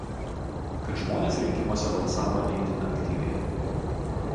kad žmonės rinkimuose balsavo ne itin aktyviai